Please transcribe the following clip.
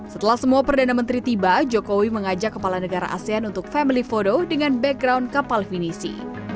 setelah semua perdana menteri tiba jokowi mengajak kepala negara asean untuk family phodo dengan background kapal finisi